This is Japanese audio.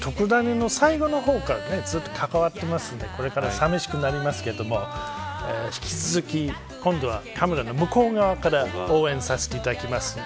の最後の方からずっと関わっていますのでこれからさみしくなりますけど引き続き、今度はカメラの向こう側から応援させていただきます。